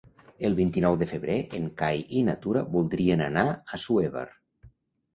El vint-i-nou de febrer en Cai i na Tura voldrien anar a Assuévar.